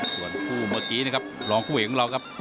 ส่วนคู่เมื่อกี้นะครับรองคู่เอกของเราครับ